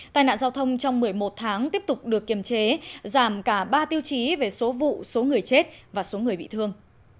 tai nạn giao thông trong một mươi một tháng tiếp tục được kiềm chế giảm cả ba tiêu chí về số vụ số người chết và số người bị thương